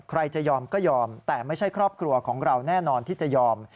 จะยอมก็ยอมแต่ไม่ใช่ครอบครัวของเราแน่นอนที่จะยอม